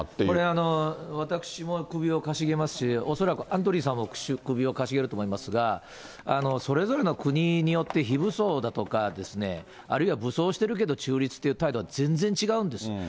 これ、私も首をかしげますし、恐らくアンドリーさんも首をかしげると思いますが、それぞれの国によって非武装だとかですね、あるいは武装してるけど中立という態度は全然違うんです。